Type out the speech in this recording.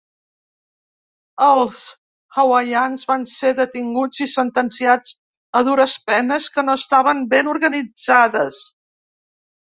Els hawaians van ser detinguts i sentenciats a dures penes que no estaven ben organitzades.